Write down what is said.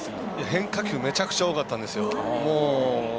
変化球めちゃくちゃ多かったんですよ。